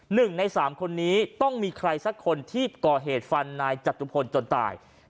หนึ่งในสามคนนี้ต้องมีใครสักคนที่ก่อเหตุฟันนายจตุพลจนตาย